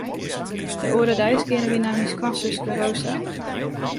De oare deis geane wy nei myn skoansuske Rosa.